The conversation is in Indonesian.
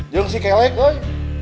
jeng si kelek oi